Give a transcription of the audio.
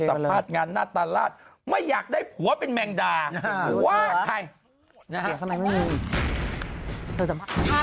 สัมภาษณ์งานหน้าตลาดไม่อยากได้ผัวเป็นแม่งดาว่าใครถ้า